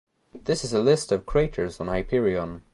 This is a list of craters on Hyperion.